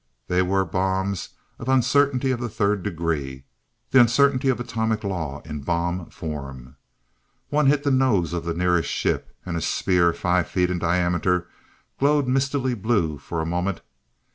They were bombs of "Uncertainty of the Third Degree," the Uncertainty of atomic law in bomb form. One hit the nose of the nearest ship, and a sphere five feet in diameter glowed mistily blue for a moment.